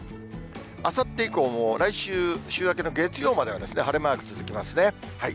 あさって以降も、来週、週明けの月曜までは晴れマーク続きますね。